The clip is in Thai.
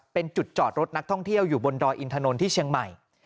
เป็นจุดจอดรถนักท่องเที่ยวอยู่บนดอยอินถนนที่เชียงใหม่